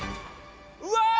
うわ！